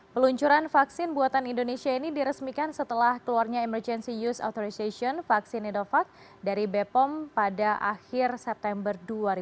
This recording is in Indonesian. peluncuran vaksin buatan indonesia ini diresmikan setelah keluarnya emergency use authorization vaksin indovac dari bepom pada akhir september dua ribu dua puluh